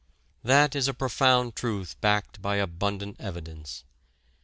That is a profound truth backed by abundant evidence.